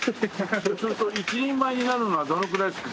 そうすると一人前になるのはどのくらいですか？